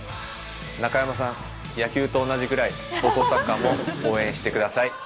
中山さん、野球と同じくらい高校サッカーも応援してください。